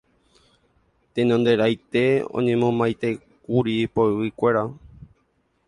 Tenonderãite oñemomaiteíkuri poyvikuéra.